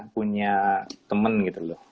punya temen gitu loh